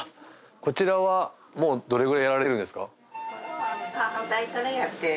こちらはもうどのくらいやられてるんですか？